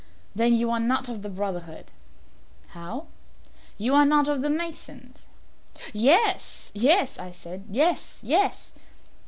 "Then you are not of the brotherhood." "How?" "You are not of the masons." "Yes, yes," I said; "yes, yes."